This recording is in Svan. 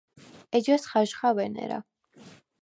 ეჯას ხაჟხა ვენერა.